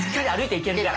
いけるから。